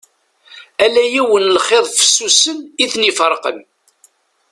Ala yiwen n lxiḍ fessusen i ten-iferqen.